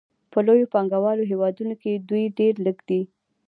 په لویو پانګوالو هېوادونو کې دوی ډېر لږ دي